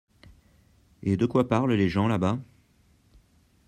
Et de quoi parlent les gens là-bas?